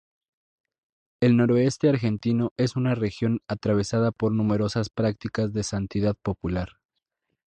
El Noroeste argentino es una región atravesada por numerosas prácticas de santidad popular.